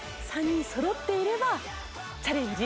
３人そろっていればチャレンジ